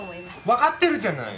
わかってるじゃない！